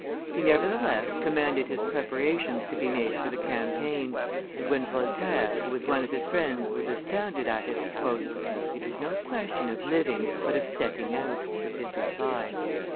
He nevertheless commanded his preparations to be made for the campaign, and, when Voltaire, who was one of his friends, was astounded at it, "It is no question of living, but of setting out," was his reply.